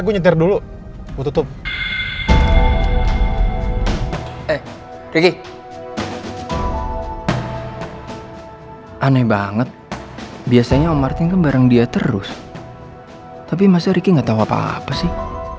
bentar dulu gue tutup eh riki aneh banget biasanya om martin ke bareng dia terus tapi masa riki nggak tahu apa apa sih